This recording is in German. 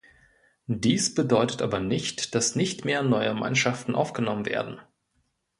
Dies bedeutet aber nicht, dass nicht mehr neue Mannschaften aufgenommen werden.